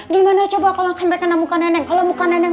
gimana coba kalo kenteng kena muka neneng